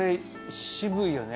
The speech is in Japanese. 渋いよね